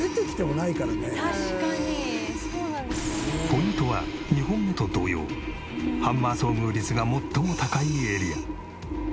ポイントは２本目と同様ハンマー遭遇率が最も高いエリア。